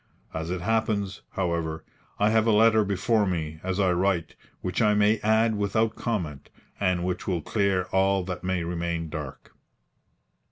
As it happens, however, I have a letter before me as I write which I may add without comment, and which will clear all that may remain dark.